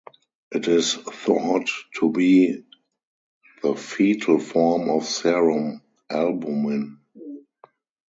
It is thought to be the fetal form of serum albumin.